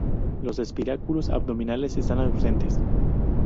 Los espiráculos abdominales están ausentes.